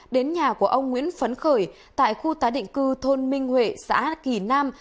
đến nhà của ông nguyễn phấn khởi tại khu tái định cư thôn minh huệ xã kỳ nam